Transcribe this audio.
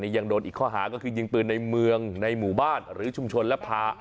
ยิงปืนในเมืองในหมู่บ้านหรือชุมชนและพา